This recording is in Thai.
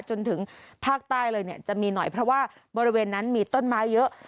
จนถึงภาคใต้เลยเนี่ยจะมีหน่อยเพราะว่าบริเวณนั้นมีต้นไม้เยอะ